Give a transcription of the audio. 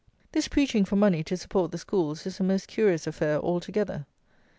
This preaching for money to support the schools is a most curious affair altogether.